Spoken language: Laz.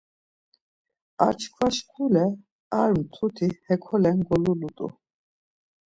Ar çkva şkule, ar mtuti hekolen golulut̆u.